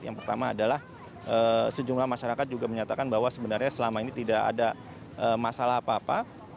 yang pertama adalah sejumlah masyarakat juga menyatakan bahwa sebenarnya selama ini tidak ada masalah apa apa